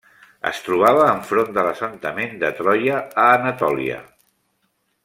Es trobava enfront de l'assentament de Troia a Anatòlia.